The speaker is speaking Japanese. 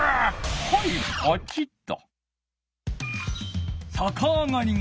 はいポチッと。